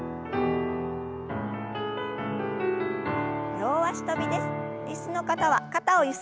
両脚跳びです。